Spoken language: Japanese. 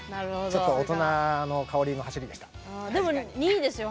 ちょっと大人の香りの走りでした。